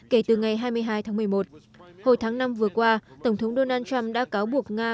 kể từ ngày hai mươi hai tháng một mươi một hồi tháng năm vừa qua tổng thống donald trump đã cáo buộc nga